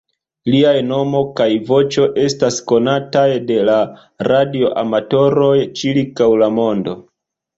Liaj nomo kaj voĉo estas konataj de la radioamatoroj ĉirkaŭ la mondo.